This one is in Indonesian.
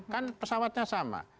kan pesawatnya sama